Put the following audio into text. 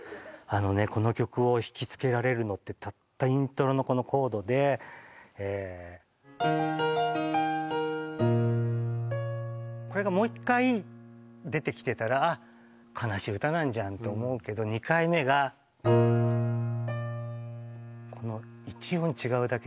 あのねこの曲を惹きつけられるのってたったイントロのこのコードでこれがもう一回出てきてたらあ悲しい歌なんじゃんって思うけど２回目がこのあ